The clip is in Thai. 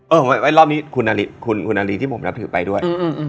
รอบนี้คุณนาลีที่ผมนับถือไปด้วย